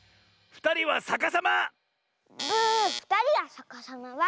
「ふたりはさかさま」は。